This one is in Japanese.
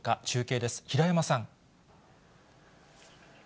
中継です、平山さん。